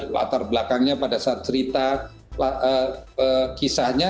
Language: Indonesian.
latar belakangnya pada saat cerita kisahnya